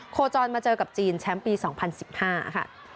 โคจรมาเจอกับจีนแชมป์ปี๒๐๑๕ค่ะ